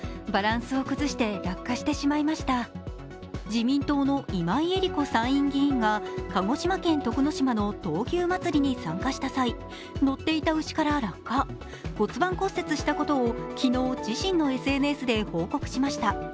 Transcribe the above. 自民党の今井絵理子参院議員が鹿児島県徳之島の闘牛祭りに参加した際、乗っていた牛から落下、骨盤骨折したことを昨日、自身のＳＮＳで報告しました。